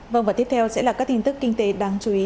vâng và tiếp theo sẽ là các tin tức kinh tế đáng chú ý